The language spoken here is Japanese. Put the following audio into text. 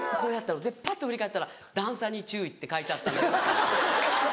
でパッと振り返ったら段差に注意って書いてあったのよ。